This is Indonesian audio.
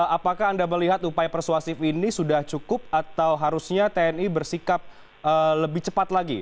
apakah anda melihat upaya persuasif ini sudah cukup atau harusnya tni bersikap lebih cepat lagi